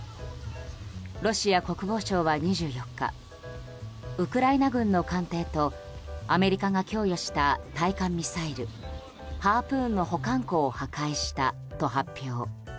ロシア国防省は２４日ウクライナ軍の艦艇とアメリカが供与した対艦ミサイル、ハープーンの保管庫を破壊したと発表。